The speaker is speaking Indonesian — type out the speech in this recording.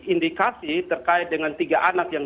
indikasi terkait dengan tiga anak yang